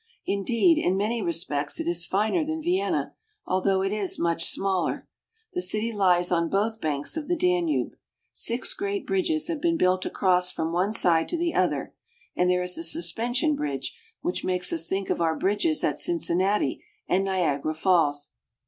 Indeed, in many respects it is finer than Vienna, although it is much smaller. The city lies on both banks of the Danube. Six great bridges have been built across from one side to the other, and there is a 296 AUSTRIA HUNGARY. suspension bridge which makes us think of our bridges at Cincinnati and Niagara Falls.